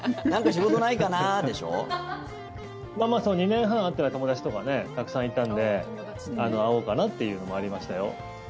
２年半会ってない友達とかたくさんいたので会おうかなというのもありましたよ。